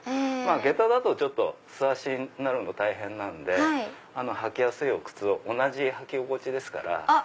下駄だと素足になるの大変なんで履きやすいお靴を同じ履き心地ですから。